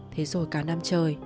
thế rồi cả năm trời